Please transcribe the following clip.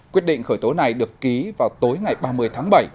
quyết định khởi tố này được ký vào tối ngày ba mươi tháng bảy